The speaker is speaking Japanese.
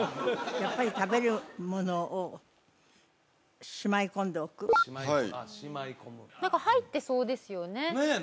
やっぱり食べるものをしまい込んでおく何か入ってそうですよねねえ